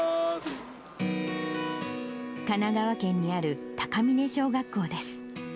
神奈川県にある高峰小学校です。